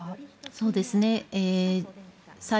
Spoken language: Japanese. そうですね。